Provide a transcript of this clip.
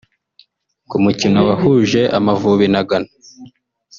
Ku mukino wahuje Amavubi na Ghana